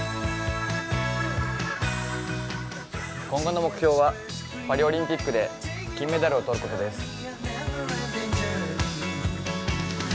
今後の目標は、パリオリンピックで金メダルを取ることです。